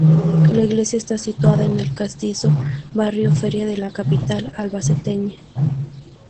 La iglesia está situada en el castizo barrio Feria de la capital albaceteña.